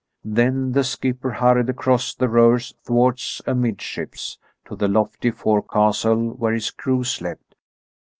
Then the skipper hurried across the rowers' thwarts amidships to the lofty forecastle where his crew slept.